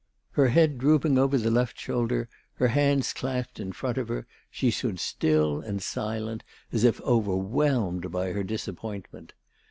Her head drooping over the left shoulder, her hands clasped in front of her, she stood still and silent as if overwhelmed by her disappointment.